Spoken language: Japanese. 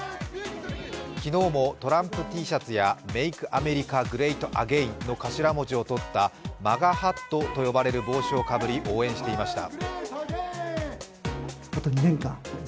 昨日もトランプＴシャツやメイク・アメリカ・グレート・アゲインの頭文字を取ったＭＡＧＡハットと呼ばれる帽子をかぶり応援していました。